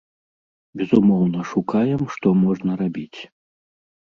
Безумоўна, шукаем, што можна рабіць.